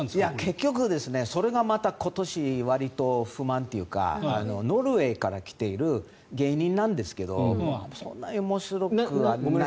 結局それが今年また不満というかノルウェーから来ている芸人なんですけどそんなに面白くはない。